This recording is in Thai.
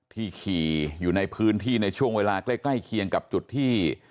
ที่ขี่อยู่ในพื้นที่ในช่วงเวลาใกล้เคียงกับจุดที่